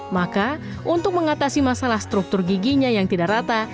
maka untuk mengatasi masalah struktur giginya yang tidak rata